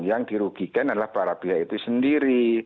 yang dirugikan adalah para pihak itu sendiri